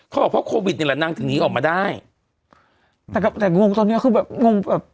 เขาบอกเพราะโควิดเนี้ยละนางจากนี้ออกมาได้แต่แบบแต่ตอนเนี้ยคือแบบงงแบบ